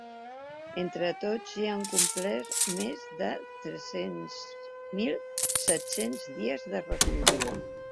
Entre tots ja han complert més de tres mil set-cents dies de reclusió.